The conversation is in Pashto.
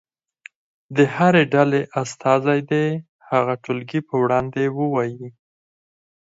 د هرې ډلې استازی دې هغه ټولګي په وړاندې ووایي.